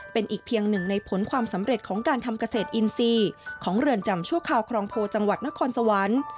เป็นอีกเพียงหนึ่งในผลความสำเร็จของการทำเกษตรอินทรีย์ของเรือนจำชั่วคราวครองโพจังหวัดนครสวรรค์